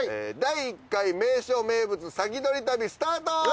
第１回名所名物先取り旅スタート！